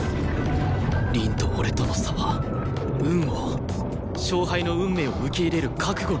凛と俺との差は運を勝敗の運命を受け入れる覚悟の差だ